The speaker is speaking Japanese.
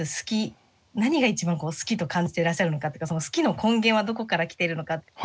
何が一番好きと感じていらっしゃるのかその好きの根源はどこから来ているのか？